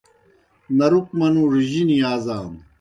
نَرُک منُوڙوْ جِنیْ یازانوْ۔